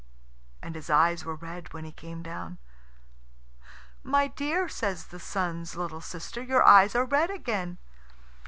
And his eyes were red when he came down. "My dear," says the Sun's little sister, "your eyes are red again."